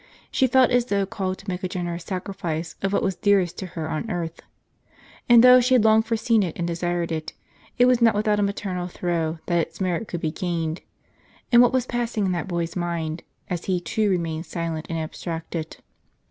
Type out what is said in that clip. She felt as though called to make a generous sacrifice of what was dearest to her on earth ; and though she had long foreseen it and desired it, it was not without a maternal throe that its merit could be gained. And what was passing in that boy's mind, as he too remained silent and abstracted